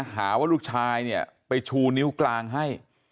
หาว่าลูกชายเนี่ยไปชูนิ้วกลางให้